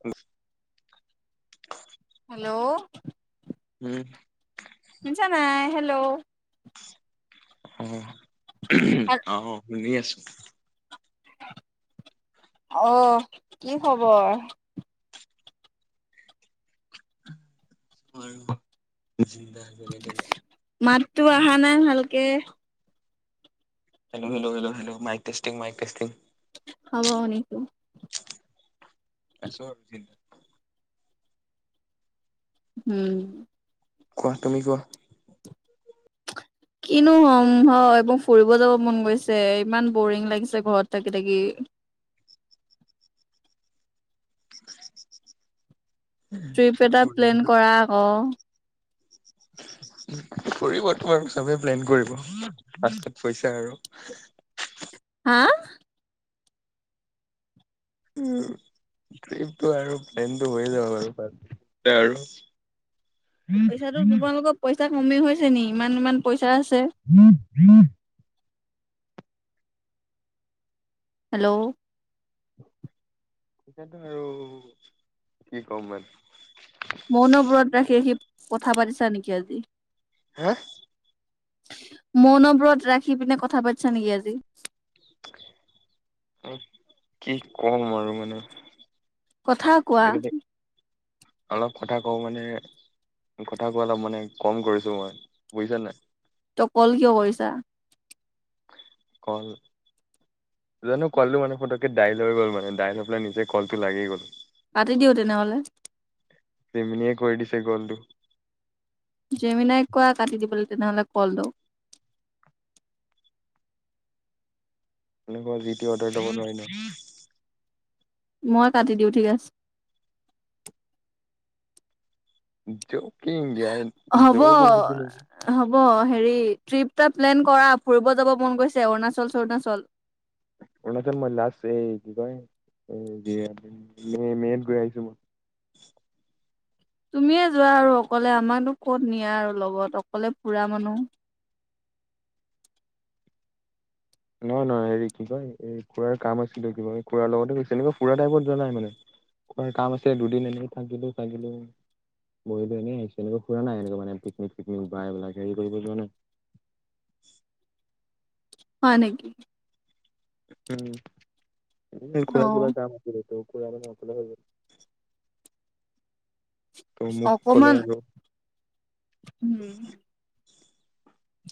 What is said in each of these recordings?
হয় হেল্ল' উম শুনিছা‌ নাই হেল্ল' আহ আহ শুনি আছো আহ কি খবৰ াৰ [unintelligible] চিন্তা ন তেন মাততো অহা নাই ভালকে hello 'hello hello 'hello hello হ্ মাইকেষ্টিং মাইক কষ্টিং [unintelligible] হব শুনিছোঁ আছো আৰু জি [unintelligible] উম কোৱা তুমি কোৱা কিনো হ'ম হয় মোৰ ফুৰিব যাব মন গৈছে ইমান বৰিং লাগিছে ঘৰত থাকি থাকি [unintelligible] [unintelligible] [inaudible] ট্ৰিপ এটা প্লেন কৰা আকৌ [unintelligible] [inaudible] কৰিব তোমাৰ চবে প্লেন কৰিব ফ্ৰষ্ট পইছা আৰু [unintelligible] [unintelligible] [inaudible] হা উম ট্ৰিপটো আৰু প্লেনটো হৈয়ে যাব বাৰু পাছত আৰু পইচা তোমালোকৰ পইচা কমি হৈছে নি ইমান ইমান পইচা আছে হু হেল্ল' সেইটোৱে আৰু কি কম মান মৌন ওপৰ ৰাখি আহ সি কথা পাতিছা নেকি আজি [unintelligible] হা মৌন ব্ৰত ৰাখি পিনে কথা পাতিছা নেকি আজি [unintelligible] কি কম আৰু মানে কথা কোৱা। আজিকালি অলপ কথা ক হওঁ মানে কথা কোৱা অলপ মানে কম কৰিছো মই বুজিছা নাই। তো কল কিয় কৰিছা। কল জানো কলটো মানে ফটককে দাইল হৈ গ'ল মানে দাইল হৈ পেলাই নিজে কলটো লাগি গ'ল। পাতি দিওঁ তেনেহলে তিমনিয়ে কৰি দিছে কল তো জেমিনাই কোৱা কাটি দিবলৈ তেনেহলে কল দওঁ এনেুৱিট অৰ্ডাৰ দাব ন হয় ন [unintelligible] মই কাটি দিওঁ ঠিক আছে। যো হব হ'ব সেই হেৰি ট্ৰিপটা প্লেন কৰা ফুৰিব যাব মন গৈছে অৰুণাচল চৰুণাচল উনছে মই ল আছ কিব [unintelligible] এ মে মে গৈ আহিছো। তুমিয়ে যোৱা আৰু অকলে আমাকতো কত নিয়া আৰু লগত অকলে পুৰা মানুহ নহয় নহয় হেৰি কি কয় এই খুুড়াৰ কাম আছিলে কিবা এই খুড়াৰাৰ লগতে গৈছিল এনেকা খুৰা টাইপত যোৱা নাই মানে। খোড়াৰ কাম আছে দুদিন এনেই থাকিলো চাগিলো। বহতো এনেইছো এনেকা ফুৰা নাই এনেকুৱ মানে পিকনিক চিকনিক বাইক হেৰি কৰিব যোৱা নাই। [inaudible] হয় নেকি? উম! অ খোড়াৰ কিবা কাম আছিলে ত খুড়াই মানে অকলে গ'ল গৈ ত' মোক কলে অকমান আৰু উম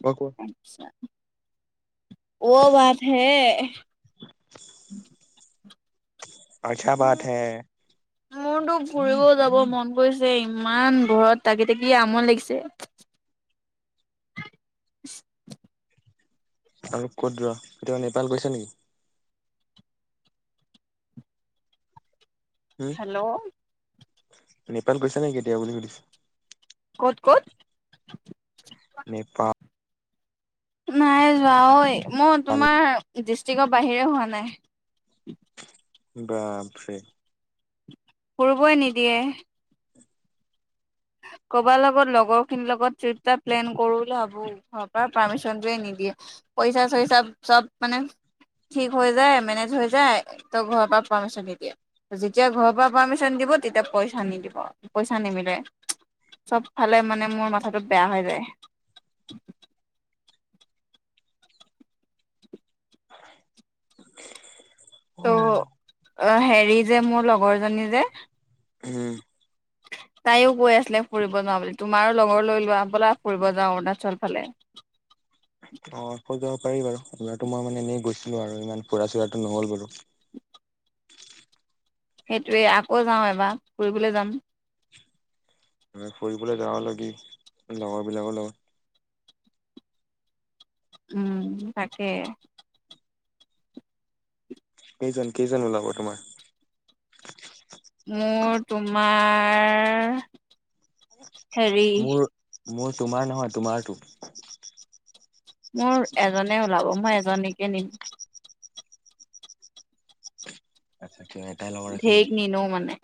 কোৱা কোৱা আতছা। অ বাত হে। আচ্ছা বাত উম! হে মোৰ তো ফুৰিব যাব মন গৈছে ইমান ঘৰত থাকি থাকি আমনি লাগিছে। আৰে আৰু ক'ত যোৱা, কেতিয়াবা নেপাল গৈছা নেকি? উম হেল্ল'! নেপাল গৈছা নেকি এতিয়া বুলি সুধিছো। ক'ত ক'ত? নেপাল! নাই যোৱা ঐ মই তোমাৰ ডিষ্ট্ৰিকৰ বাহিৰে হোৱা নাই। বাপৰে! ফুৰিবই নিদিয়ে। উ কৰবাৰ লগত লগৰ খিনিৰ লগত ট্ৰিপ এটা প্লেন কৰো বুলি ভাবো ঘৰৰ পৰা পাৰ্মিশনটোৱে নিদিয়ে। পইচা চইচা চব মানে ঠিক হৈ যায় মেনেজ হৈ যায় ত' ঘৰৰ পৰা পাৰ্মিশন দিদিয়ে। যেতিয়া ঘৰৰ পৰা পাৰ্মিশন দিব তেতিয়া পইচা নিদিব পইচা নিমিলে। চব ফালে মানে মোৰ মাথাটো বেয়া হৈ যায়। [inaudible] ত' হেৰি যে মোৰ লগৰ জনী যে উম [inaudible] তাইয়ও কৈ আছিলে ফুৰিব যাওঁ বুলি তোমাৰো লগৰ লৈ লোৱা বলা ফুৰিব যাওঁ অৰুণাচল ফালে অঁ কৈ যক। পাৰি বাৰু এইবাৰো ত' মই মানে এনেই গৈছিলো আৰু ইমান ফুৰা চুৰাটো নহল বাৰু [unintelligible] সেইটোৱে আকৌ যাওঁ এবাৰ ফুৰিবলৈ যাম ফুৰিবলৈ যাওঁ লাগি লগৰবিলাকৰ লগত উম! তাকে কেইজন কেইজন ওলাব তোমাৰ? মোৰ তোমাৰ হেৰি মোৰ মোৰ তোমাৰ নহয়, তোমাৰতো! মোৰ এজনে ওলাব মই এজনীকে নিম। আচ্ছা এটাই লগৰ আছে ধেই নেকি নিনো মানে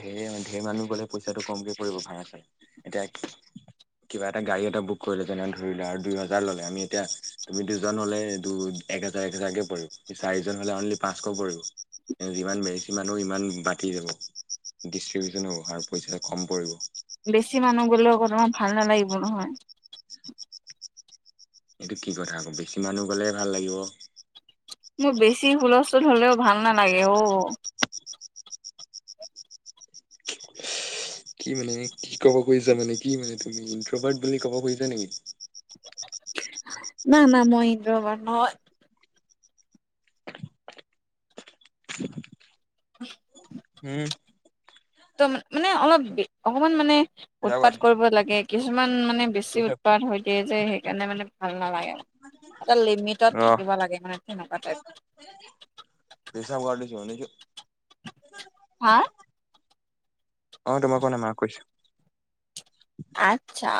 ঢেৰ ঢেৰ মানুহ গ'লে পইচাটো কমকে কৰিব ভাড়া চাই, এতিয়া কি কিবা এটা গাড়ী এটা বুক কৰিলে যেনে ধৰি লোৱা আৰু দুই হাজাৰ ললে আমি এতিয়া তুমি দুজন হলে দু এক হেজাৰ এক হেজাৰকে পৰিব চাৰিজন হ'লে অনলি পাঁচশ পৰিব যিমান বেছি মানুোহ সিমান বাকি যাব ডিষ্টষ্ট্ৰিবউচন হ'ব আৰু পইচা কম পৰিব বেছি মানুহ গলেও অকৌ তোমাৰ ভাল নালাগিব নহয় এইটো কি কথা আকৌ বেছি মানুহ গলে ভাল লাগিব? মোৰ বেছি হুলস্থুল হলেও ভাল নালাগে অ। কি মানে কি কব খুজিছ মানে কি মানে তুমি ইন্তবাৰ্ট বুলি কব খুজছা নেকি। না না মহহিন্দ্ৰ ভৰণয় [unintelligible] উম ত মানে অলপ অকমান মানে। ৰ উৎপাত কৰিব লাগে কিছুমান মানে বেছি উৎপাত হৈ দিয়ে যে সেইকাৰণে মানে ভাল নালাগে? এটা লিমিটত থাকিব লাগে মানে তেনেকুৱা টাইপ। পেইচা ভবাৰি কিমান [unintelligible] হা অ তোমাক কৰা নাই মাক কৈছো। আচ্ছা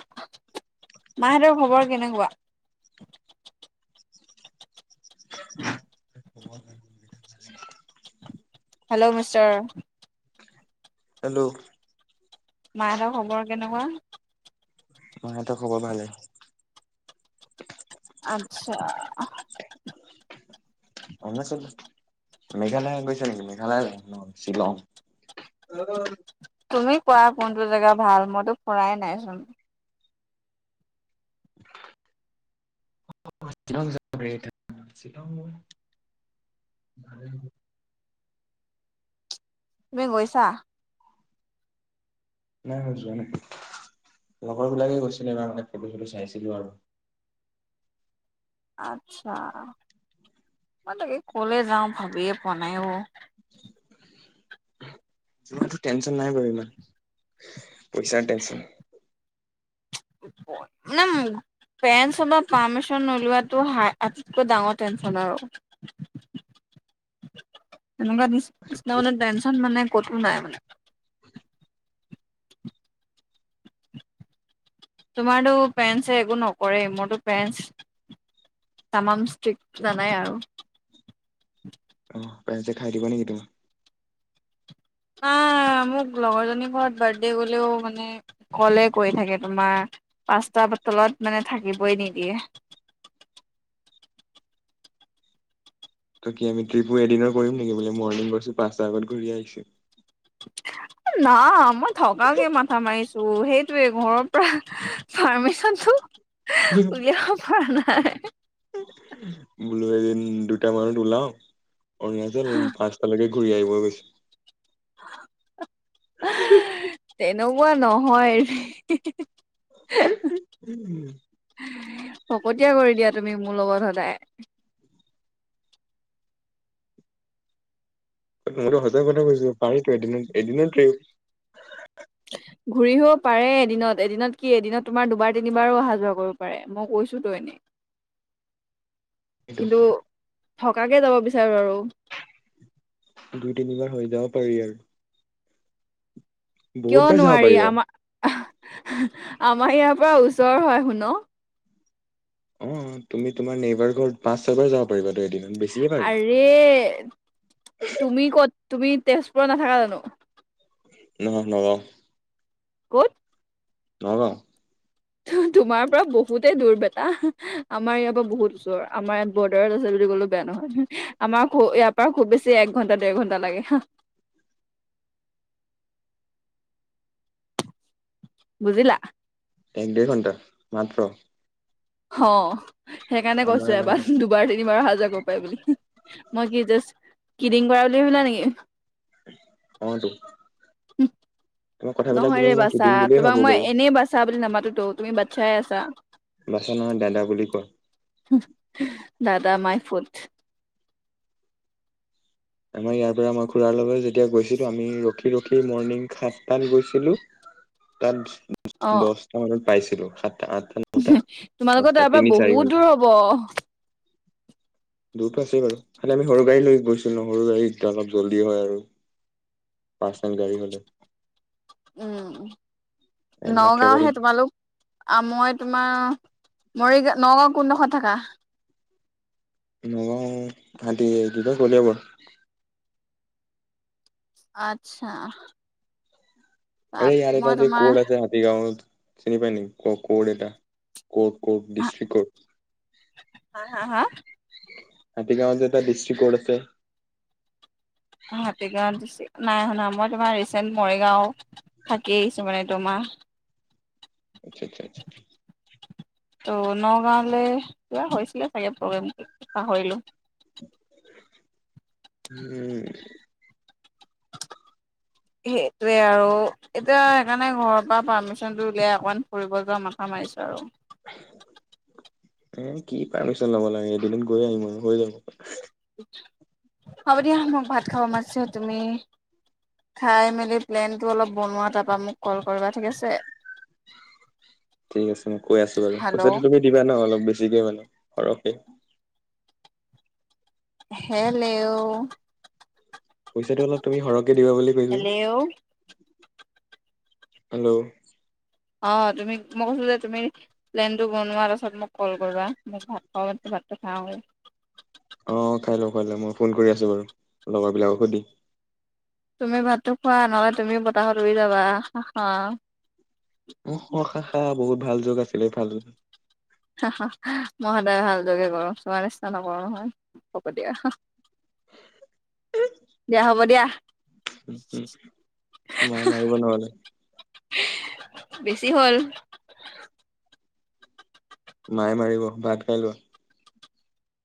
মাহঁতৰ খবৰ কেনেকুৱা? [unintelligible] Hello mister. হেল্ল' মাহতৰ খবৰ কেনেকুৱা? মাহত খবৰ ভালে। [unintelligible] অৰুণাচল। মেঘালয় গৈছে নেকি মেঘালয় য ন শ্বিলং। তুমি কোৱা কোনটো জেগা ভাল মইতো ফুৰাই নাইচোন? [unintelligible] তুমি গৈছা। নাই মই যোৱা নাই। লগৰ বিলাকে গৈছিলো এইবাৰ মানে ফটো চটো চাইছিলো আৰু। আত্ছা মই তাকে কলে যাও ভাবিয়ে পোৱা নাইও? তোমাৰতো টেনচন নাই বাৰু ইমান। পইচাৰ টেনচন। [unintelligible] নাম। [unintelligible] পেৰেণ্টছত পাৰ্মিচন নোলোৱাটো আটাইতকৈ ডাঙৰ টেনচন আৰু। [unintelligible] তেনেকুৱা নি নিচিনা মানে টেনচন মানে ক'তো নাই মানে। তোমাৰতো পেন্ছে একো নকৰে মোৰতো পেন্ছ। তামাম ষ্টিক জানাই আৰু। পৰেঞ্চ যে খাই দিবা নেকি তোমাক? আহ মোক লগৰজনীৰ ঘৰত বাৰ্থডে গলেও মানে কলে কৰি থাকে তোমাৰ। পাঁচ তলত মানে থাকিবই নিদিয়ে। [unintelligible] তই কি আমি ট্ৰিপো এদিনৰ কৰিম নেকি বোলে মৰ্ণিং কৰিছো পাঁচটা আগত ঘূৰি আহিছো? [unintelligible] না মই থকাকে মাথা মাৰিছো সেইটোৱে ঘৰৰ পৰা পাৰ্মিচনটো? উলিয়াব পোৱা নাই। বোলো এদিন দুটা মানত ওলাও অৰুণাচল পাঁচটালৈকে ঘূৰি আহিব গৈছো হু হু এনেকুৱা নহয়। হুি উম [unintelligible] ফকতীয়া কৰি দিয়া তুমি মোৰ লগত সদায়। মইতো সঁচা কথা কৈছো পাৰিতো এদিনত এদিন ট্ৰিপ ঘূৰি আহিব পাৰে এদিনত এদিনত কি এদিনত তোমাৰ দুবাৰ তিনিবাৰো অহা যোৱা কৰিব পাৰে মই কৈ। গৈছো তো এনেই। সেইটো। কিন্তু থকাকে যাব বিচাৰো আৰু। দুই তিনিবাৰ হৈ যাব পাৰি আৰু। বহুত কিয় বাৰ যাব নোৱাৰি পাৰিবা আমাৰ। আমাৰ ইয়াৰ পৰা ওচৰ হয় শুন। অহ তুমি তোমাৰ নেবাৰ ঘৰত পাঁচ চাৰ পৰা যা। আৰে তুমি কত তুমি। তেজপুৰত নাথাকা জানো। নহক নলও ক'ত। নগাঁও তোমাৰ পৰা বহুতেই দূৰ বেটা আমাৰ ইয়াৰ পৰা বহুত ওচৰ আমাৰ ইয়াত বৰ্ডাৰত আছে বুলি ক'লো বেয়া নহয়। আমাৰ ঘ ইয়াৰ পৰা খুব বেছি এক ঘণ্টা দেৰ ঘন্টা লাগে। হা [unintelligible] বুজিলা। এক দেৰ ঘণ্টা মাত্ৰ। অহ সেইকাৰণে কৈছো আমাৰ এবাৰ দুবাৰ তিনিবাৰ হ যাব পাৰে বুলি হুি মই কি জডিং কৰা বুলি ভাবিলা নেকি। অহ তো। উম। তো নহয় ৰে বাচ্ছা তোমাক মই এনেই বাচ্ছা বুলি নামাতোতো তুমি বাচ্ছাই আছা। বাচ্ছা নহয় দাদা বুলি কয় দাদা মাই ফুত। আমাৰ ইয়াৰ পৰা মই খুড়াৰ লগলৈ যেতিয়া গৈছিলো আমি ৰখি ৰখি মৰ্ণিং সাতটাত গৈছিলো। অ তাত দহটা মানত পাইছিলো সাত। তাত আঠতো ন তো দচ তোমালোকৰ তো তাৰ পৰা তিনি চাৰি বহুত ঘণ্টা। দূৰ হব দূৰতো আছেই বাৰু খালি আমি সৰু গাড়ী লৈ গৈছো। সৰু গাড়ী এয়া অলপ জল্দি হয় আৰু পাৰ্চ গাড়ী হলে। উম এইবিলাক ট্ৰেভেল নগাঁওহে তোমালোক মই তোমাৰ। অহ মৰিগাঁ নগাঁও কোনডোখৰ থকা। নগাওঁ সতি কলীবাৰ। আত্ছা। অ ইয়াৰ এটা যে ক'ৰ আছে হাতীগাঁৱত চিনি পায় নক ক ক'ৰ এটা। কৰ্ কট ডিষ্ট্ৰিকত। হা হা হা হাতীগাঁৱ যে এ তটা দৃষ্ট্ৰিক কত আছে। হাতীগাঁওষ্ট নাই শুনা মই তোমাৰ ৰিচেণ্ট মৰিগাঁও থাকি আহিছো মানে তোমাৰ আচ্ছা আচ্ছা আচ্ছা। ত নগাঁওলৈ কিবা হৈছিলে চাগে প্ৰগ্ৰেম পাহৰিলো। উম। [unintelligible] সেইটোৱে আৰু এতিয়া সেইকাৰণে ঘৰৰ পৰা পাৰ্মিশনতটো উলিয়াই অকমান ফুৰিব যোৱা মা। কমাৰছোঁ আৰু। এ কি পাৰচ ল ম লে এদিনত গৈ আহিম আৰু হৈ যাম। হ'ব দিয়া মোক ভাত খাব মাছ তুমি। খাই মেলি প্লেনটো অলপ বনোৱা তাৰপা মোক কল কৰিবা ঠিক আছে। ঠিক আছে মই কৈ আছো বাৰু হেল্ল' পইচাটো তুমি দিবা ন অলপ বেছিকে মানে সৰহে। হেললেও। পইচাটো অলপ তুমি সৰহকে দিবা বুলি কৈছো। Hello hello. অ তুমি মই কৈছো যে তুমি, প্লেন টো বনোৱাৰ পাছত মোক কল কৰিবা মোক ভ। সাত খাওঁ। আহ খাই লওঁ খুৱাই লওঁ মই ফোন কৰি আছো বাৰু, লগৰ বিলাকক সুধি। তুমি ভাতটো খোৱা নহলে তুমি বতাহত ৰুই যাবা হা। মুক খা খা বহুত ভাল যুগ আছিলে ভাল যুগ। মই সদায় ভাল যোগে কৰো তোমাৰ নিচিনা নকৰো নহয় হক দিয়া। উম। দিয়া হ'ব দিয়া। মায়ে মাৰিব নহ'লে বেছি হ'ল। মাই মাৰিব ভাত খাই লোৱা।